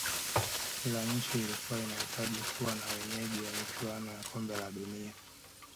Kila nchi ilikuwa inahitaji kuwa wenyeji wa michuano ya kombe la dunia